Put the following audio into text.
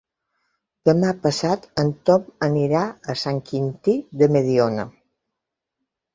Demà passat en Tom anirà a Sant Quintí de Mediona.